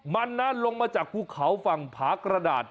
มันนะลงมาจากภูเขาฝั่งผากระดาษ